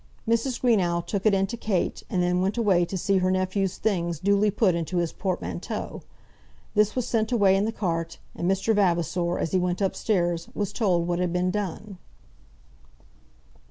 Mrs. Greenow took it in to Kate, and then went away to see her nephew's things duly put into his portmanteau. This was sent away in the cart, and Mr. Vavasor, as he went up stairs, was told what had been done.